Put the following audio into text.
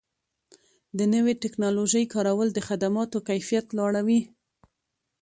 د نوې ټکنالوژۍ کارول د خدماتو کیفیت لوړوي.